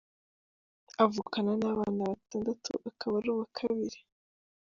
Avukana n’abana batandatu akaba ari uwa kabiri.